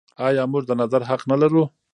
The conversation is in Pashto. آیا موږ د نظر حق نلرو؟